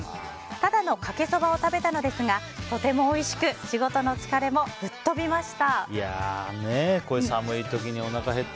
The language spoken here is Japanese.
ただのかけそばを食べたのですがとてもおいしく仕事の疲れも吹っ飛びました。